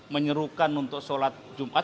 menyerukan untuk sholat jumat